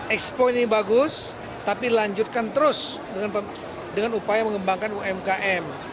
expo ini bagus tapi lanjutkan terus dengan upaya mengembangkan umkm